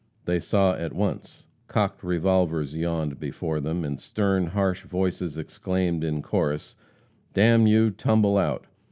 They saw at once. Cocked revolvers yawned before them, and stern, harsh voices exclaimed in chorus, "D n you, tumble out!"